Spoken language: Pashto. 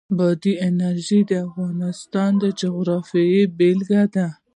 بادي انرژي د افغانستان د جغرافیې بېلګه ده.